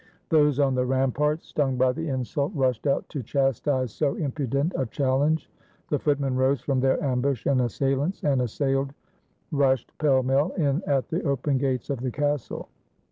Those on the ram parts, stung by the insult, rushed out to chastise so impudent a challenge. The footmen rose from their ambush, and assailants and assailed rushed pell mell in at the open gates of the castle.